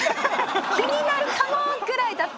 気になるかも？ぐらいだったんですけど。